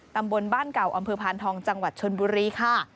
ตำบลบ้านเก่าอำเภอพานทองจังหวัดชนบุรีค่ะ